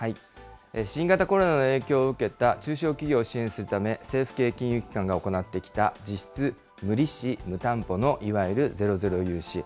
新型コロナの影響を受けた中小企業を支援するため、政府系金融機関が行ってきた、実質無利子・無担保の、いわゆるゼロゼロ融資。